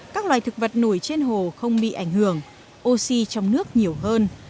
các loài thực vật nổi trên hồ không bị ảnh hưởng oxy trong nước nhiều hơn